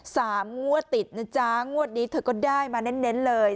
งวดติดนะจ๊ะงวดนี้เธอก็ได้มาเน้นเน้นเลย